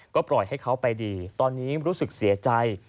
ก็ปล่อยให้เขาไปดีตอนนี้รู้สึกเสียใจ